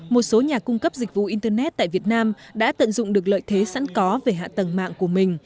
một số nhà cung cấp dịch vụ internet tại việt nam đã tận dụng được lợi thế sẵn có về hạ tầng mạng của mình